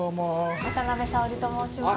渡辺早織と申します。